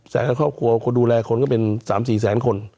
แสนกับครอบครัวคนดูแลคนก็เป็น๓๔แสนคน